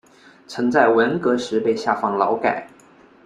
曾在文革时被下放劳改。